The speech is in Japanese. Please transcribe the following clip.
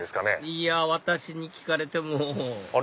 いや私に聞かれてもあれ？